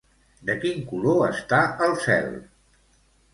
De quin color està el cel?